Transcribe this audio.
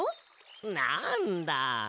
なんだ！